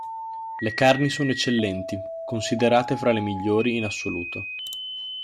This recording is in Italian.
Le carni sono eccellenti, considerate fra le migliori in assoluto.